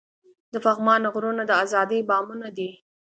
د پغمان غرونه د ازادۍ بامونه دي.